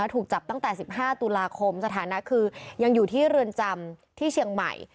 ถูกจับตั้งแต่๑๕ตุลาคมสถานะคือยังอยู่ที่เรือนจำที่เชียงใหม่